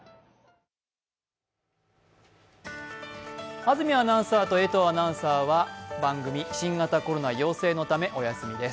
安住アナウンサーと江藤アナウンサーは番組、新型コロナ陽性のためお休みです。